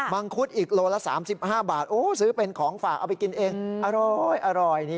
ังคุดอีกโลละ๓๕บาทซื้อเป็นของฝากเอาไปกินเองอร้อยนี่